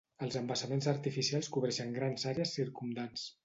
Els embassaments artificials cobreixen grans àrees circumdants.